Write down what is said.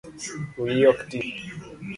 Wiyi ok ti